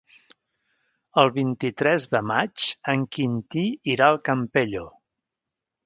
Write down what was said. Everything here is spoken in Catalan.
El vint-i-tres de maig en Quintí irà al Campello.